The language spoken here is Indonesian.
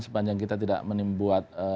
sepanjang kita tidak membuat